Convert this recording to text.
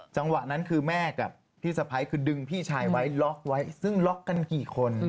จังหวะนั้นคือแม่กับพี่สะพ้ายคือดึงพี่ชายไว้ล็อกไว้ซึ่งล็อกกันกี่คน